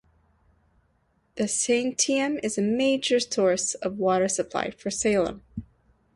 The Santiam is a major source of water supply for Salem.